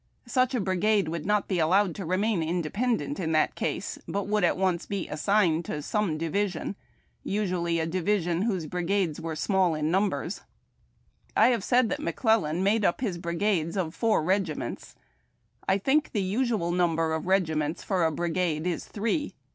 Such a brigade would not be allowed to remain independent in that case, but would be at once assigned to some division, usually a division whose brigades were small in numbers. I have said that McClellan made up his brigades of four reo iments. I think the usual number of regiments for a brigade is three.